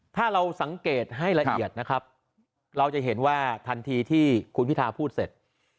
ถ้าเราสังเกตให้ละเอียดนะครับเราจะเห็นว่าทันทีที่คุณพิทาพูดเสร็จ